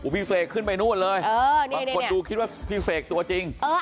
พี่เสกขึ้นไปนู่นเลยบางคนดูคิดว่าพี่เสกตัวจริง